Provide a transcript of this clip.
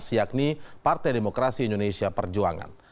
yakni partai demokrasi indonesia perjuangan